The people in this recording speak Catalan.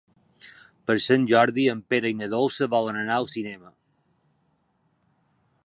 Per Sant Jordi en Pere i na Dolça volen anar al cinema.